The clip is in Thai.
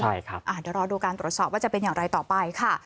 ใช่ครับเดี๋ยวรอดูการตรวจสอบว่าจะเป็นอย่างไรต่อไปค่ะ